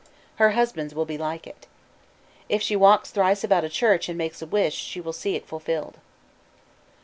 Her husband's will be like it. If she walks thrice about a church and makes a wish, she will see it fulfilled.